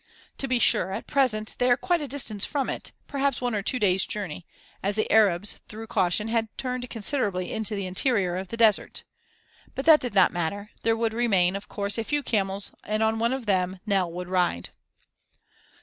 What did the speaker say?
To be sure, at present they are quite a distance from it, perhaps one or two days' journey, as the Arabs through caution had turned considerably into the interior of the desert. But that did not matter; there would remain, of course, a few camels and on one of them Nell would ride.